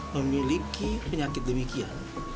memiliki penyakit demikian